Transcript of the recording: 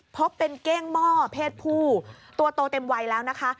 พบเป็นเก้งหม้อเพศผู้ตัวโตเต็มวัยแล้วนะคะ